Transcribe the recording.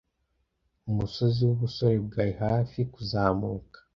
Umusozi wubusore bwawe hafi kuzamuka.